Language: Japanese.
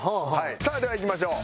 さあではいきましょう。